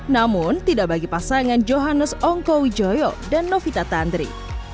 namun tidak bagi pasangan johannes ongko wijoyo dan novita tantri